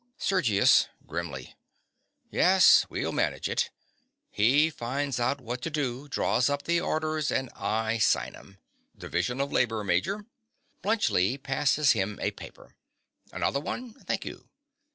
SERGIUS. (grimly). Yes: we'll manage it. He finds out what to do; draws up the orders; and I sign 'em. Division of labour, Major. (Bluntschli passes him a paper.) Another one? Thank you.